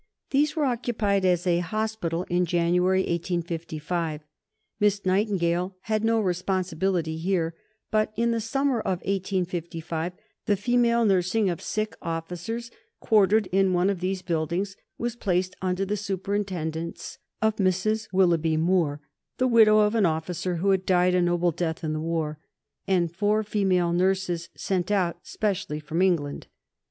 These were occupied as a hospital in January 1855. Miss Nightingale had no responsibility here; but in the summer of 1855, the female nursing of sick officers, quartered in one of these buildings, was placed under the superintendence of Mrs. Willoughby Moore, the widow of an officer who had died a noble death in the war, and four female nurses, sent out specially from England.